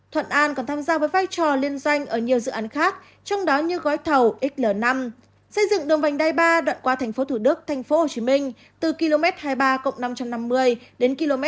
thuận an còn tham gia với vai trò liên doanh ở nhiều dự án khác trong đó như gói thầu xl năm xây dựng đường vành đai ba đoạn qua thành phố thủ đức thành phố hồ chí minh từ km hai mươi ba năm trăm năm mươi đến km hai mươi năm chín trăm tám mươi năm